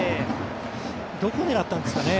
どこ、狙ったんですかね